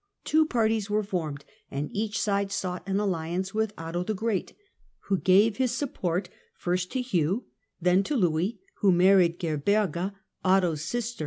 Two parties were formed, and each side sought an alliance with Otto the Great, who gave his support first to Hugh and then to Louis, who married Gerberge, Otto's sister.